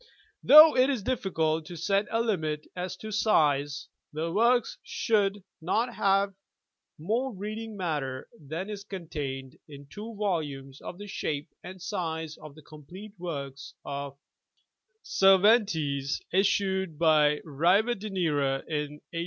Though it is difficult to set a limit as to size, the works should not have more reading matter than is contained in two volumes of the shape and size of the complete works of Cervantes issued by Rivadeneyra in 1863 4.